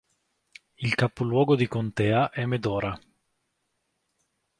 Il capoluogo di contea è Medora.